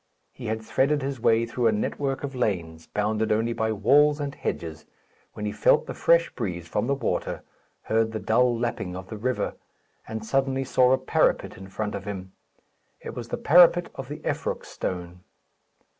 He had threaded his way through a network of lanes, bounded only by walls and hedges, when he felt the fresh breeze from the water, heard the dull lapping of the river, and suddenly saw a parapet in front of him. It was the parapet of the Effroc stone.